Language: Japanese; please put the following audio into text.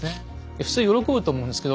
普通喜ぶと思うんですけど。